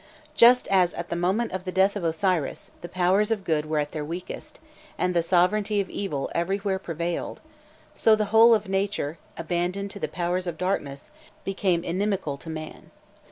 Just as at the moment of the death of Osiris, the powers of good were at their weakest, and the sovereignty of evil everywhere prevailed, so the whole of Nature, abandoned to the powers of darkness, became inimical to man.